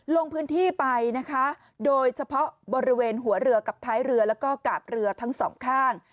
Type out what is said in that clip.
ลงพื้นที่ไปนะคะโดยเฉพาะบริเวณหัวเรือกับท้ายเรือแล้วก็กาบเรือทั้งสองข้าง